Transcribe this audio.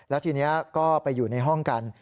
แล้วทีนี้ก็ไปอยู่ในห้องกัน